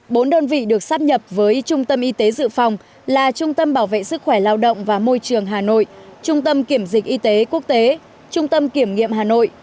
bốn đơn vị được sắp nhập với trung tâm y tế dự phòng là trung tâm bảo vệ sức khỏe lao động và môi trường hà nội trung tâm kiểm dịch y tế quốc tế trung tâm kiểm nghiệm hà nội